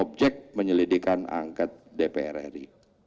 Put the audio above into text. objek penyelidikan angket dpr ri